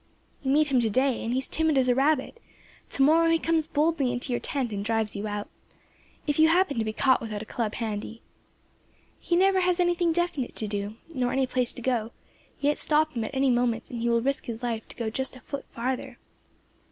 You meet him to day, and he is timid as a rabbit; to morrow he comes boldly into your tent and drives you out, if you happen to be caught without a club handy. He never has anything definite to do, nor any place to go to; yet stop him at any moment and he will risk his life to go just a foot farther.